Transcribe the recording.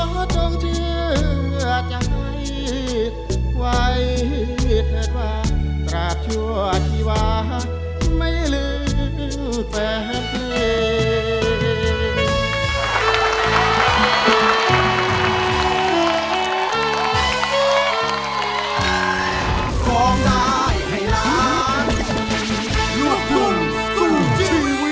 ขอต้องเชื่อจังหวัยไว้เถิดว่าตราบชั่วชีวะไม่หลืดแปบที่